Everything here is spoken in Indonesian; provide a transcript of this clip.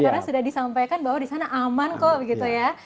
karena sudah disampaikan bahwa di sana aman kok begitu ya